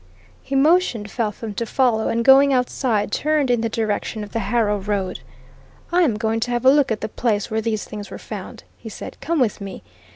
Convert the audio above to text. He motioned Felpham to follow, and going outside, turned in the direction of the Harrow Road. "I'm going to have a look at the place where these things were found," he said. "Come with me.